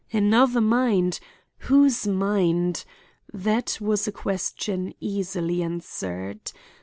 Another mind! Whose mind? That was a question easily answered.